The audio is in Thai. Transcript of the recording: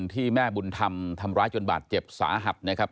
ที่แม่บุญธรรมทำร้ายจนบาดเจ็บสาหัสนะครับ